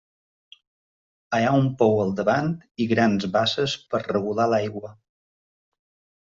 Hi ha un pou al davant i grans basses per a regular l'aigua.